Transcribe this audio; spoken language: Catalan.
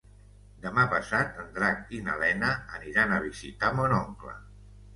Demà passat en Drac i na Lena aniran a visitar mon oncle.